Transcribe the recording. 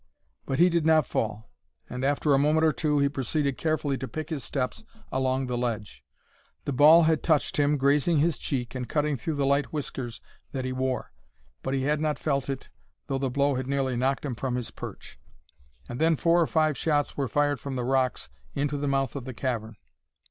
But he did not fall, and after a moment or two, he proceeded carefully to pick his steps along the ledge. The ball had touched him, grazing his cheek, and cutting through the light whiskers that he wore; but he had not felt it, though the blow had nearly knocked him from his perch. And then four or five shots were fired from the rocks into the mouth of the cavern.